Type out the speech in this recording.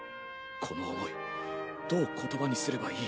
この思いどう言葉にすればいい？